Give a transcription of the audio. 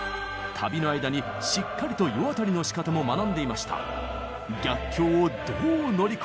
旅の間にしっかりと世渡りのしかたも学んでいました。